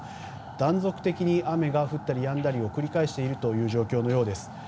断続的に雨が降ったりやんだりを繰り返している状況のようです。